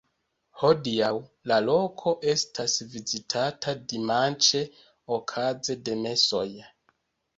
Hodiaŭ, la loko estas vizitata dimanĉe okaze de mesoj.